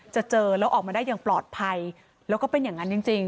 เจอแล้วออกมาได้อย่างปลอดภัยแล้วก็เป็นอย่างนั้นจริง